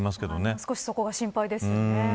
少しそこが心配ですよね。